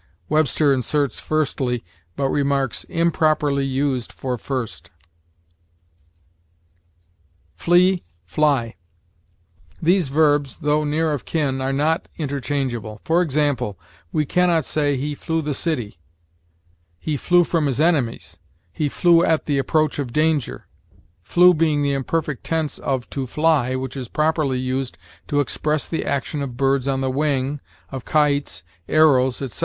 Webster inserts firstly, but remarks, "Improperly used for first." FLEE FLY. These verbs, though near of kin, are not interchangeable. For example, we can not say, "He flew the city," "He flew from his enemies," "He flew at the approach of danger," flew being the imperfect tense of to fly, which is properly used to express the action of birds on the wing, of kites, arrows, etc.